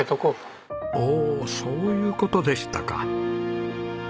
おおそういう事でしたか。